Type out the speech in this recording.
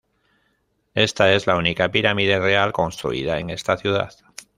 Esta es la única pirámide real construida en esta ciudad.